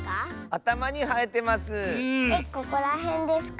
あたまにはえてます！